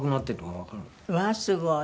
わあすごい。